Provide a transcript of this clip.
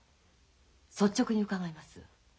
率直に伺います。